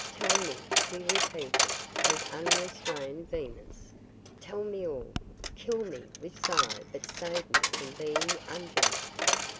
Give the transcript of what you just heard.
"Tell me," he repeated, with unrestrained vehemence. "Tell me all. Kill me with sorrow but save me from being unjust."